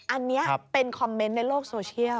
อันนี้เป็นคอมเมนต์ในโลกโซเชียล